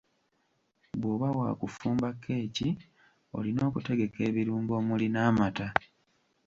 Bw'oba waakufumba kkeeki olina okutegeka ebirungo omuli n'amata.